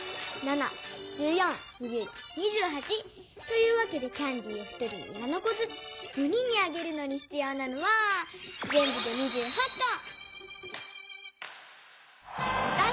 ７１４２１２８。というわけでキャンディーを１人に７こずつ４人にあげるのにひつようなのはぜんぶで２８こ！